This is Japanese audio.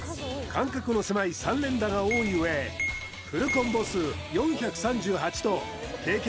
間隔の狭い３連打が多い上フルコンボ数４３８と経験